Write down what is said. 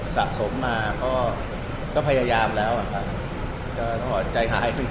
สะสมมาก็ก็พยายามแล้วค่ะก็ต้องหาใจหายไปกันนะคะ